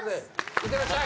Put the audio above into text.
いってらっしゃい！